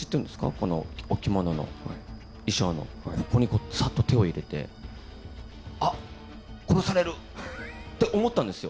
このお着物の、衣装のここにさっと手を入れて、あっ、殺される！って思ったんですよ。